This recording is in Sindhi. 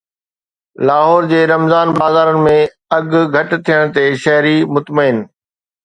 لاهور جي رمضان بازارن ۾ اگهه گهٽ ٿيڻ تي شهري مطمئن